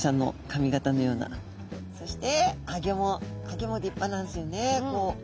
そしてアギョもアギョも立派なんですよね。